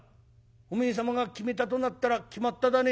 「おめえ様が決めたとなったら決まっただね」。